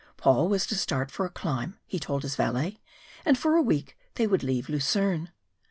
Paul was to start for a climb, he told his valet, and for a week they would leave Lucerne.